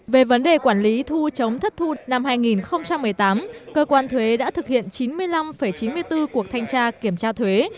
về vấn đề quản lý thu chống thất thu năm hai nghìn một mươi tám cơ quan thuế đã thực hiện chín mươi năm chín mươi bốn cuộc thanh tra kiểm tra thuế